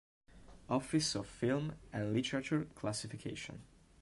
Office of Film and Literature Classification